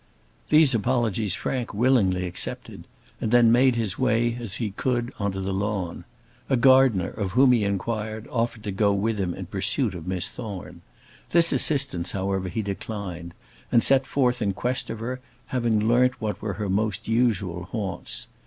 These apologies Frank willingly accepted, and then made his way as he could on to the lawn. A gardener, of whom he inquired, offered to go with him in pursuit of Miss Thorne. This assistance, however, he declined, and set forth in quest of her, having learnt what were her most usual haunts.